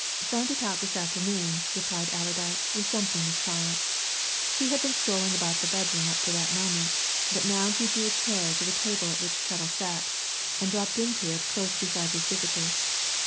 "Found it out this afternoon," replied Allerdyke, with something of triumph. He had been strolling about the bedroom up to that moment, but now he drew a chair to the table at which Chettle sat and dropped into it close beside his visitor.